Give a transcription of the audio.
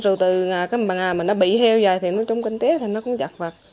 dù từ ngày mà nó bị heo dài thì nói chung kinh tế thì nó cũng giặt vặt